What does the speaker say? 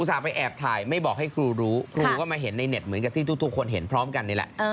แอบถ่ายไม่บอกให้ครูรู้ครูก็มาเห็นในเน็ตเหมือนกับที่ทุกคนเห็นพร้อมกันนี่แหละ